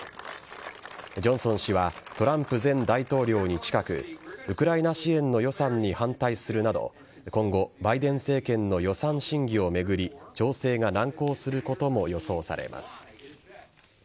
ジョンソン氏はトランプ前大統領に近くウクライナ支援の予算に反対するなど今後バイデン政権の予算審議を巡り調整が難航することも予想されます。